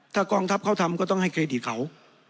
ถ้ากองทัพเขาทำก็ต้องให้เครดิตเขา